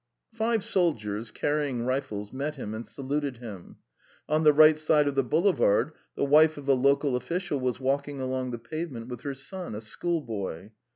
Five soldiers, carrying rifles, met him and saluted him. On the right side of the boulevard the wife of a local official was walking along the pavement with her son, a schoolboy.